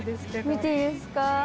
見ていいですか？